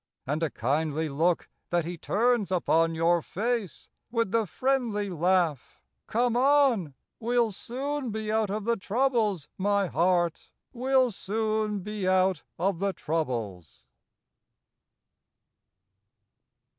And a kindly look that he turns upon Your face with the friendly laugh, "Come on! We'll soon be out of the troubles, My heart! We'll soon be out of the troubles!"